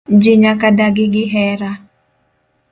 Ji nyaka dagi gi hera.